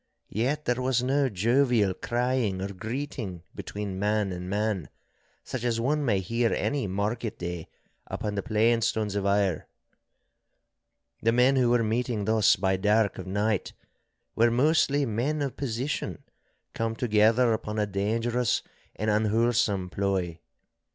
Yet there was no jovial crying or greeting between man and man, such as one may hear any market day upon the plainstones of Ayr. The men who were meeting thus by dark of night, were mostly men of position come together upon a dangerous and unwholesome ploy.